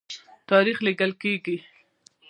تاریخ لیکل کیږي.